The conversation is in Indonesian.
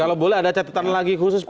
kalau boleh ada catatan lagi